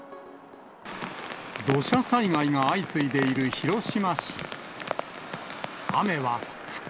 土砂災害が相次いでいる広島市。